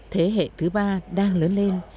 thế hệ thứ ba đang lớn lên